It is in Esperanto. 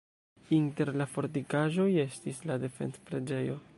Inter la fortikaĵoj estis la defend-preĝejo.